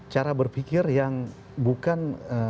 cara berpikir yang bukan